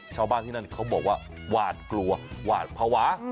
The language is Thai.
ชาวบ้านที่นั่นเขาบอกว่าหวาดกลัวหวาดภาวะ